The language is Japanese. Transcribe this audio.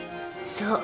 そう。